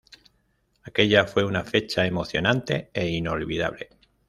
Aquella fue una fecha emocionante e inolvidable.